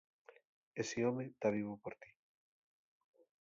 Esi home ta vivu por ti.